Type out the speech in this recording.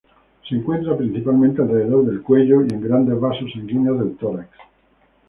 Se encuentra principalmente alrededor del cuello y en grandes vasos sanguíneos del tórax.